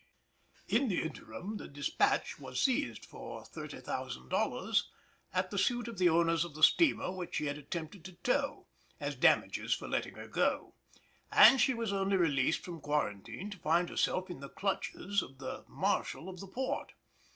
In the interim the Despatch was seized for $30,000 at the suit of the owners of the steamer which she had attempted to tow, as damages for letting her go; and she was only released from quarantine to find herself in the clutches of the Marshal of the port.